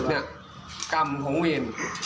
นี่กำของเวร